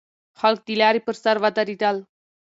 خلک د لارې پر سر ودرېدل.